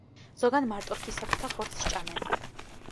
ზოგან მარტორქისებრთა ხორცს ჭამენ.